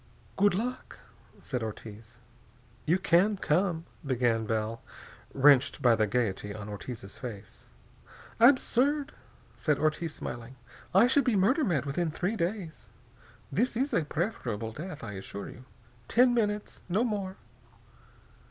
"Good luck," said Ortiz. "You can come " began Bell, wrenched by the gaiety on Ortiz's face. "Absurd," said Ortiz, smiling. "I should be murder mad within three days. This is a preferable death, I assure you. Ten minutes, no more!"